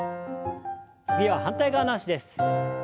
次は反対側の脚です。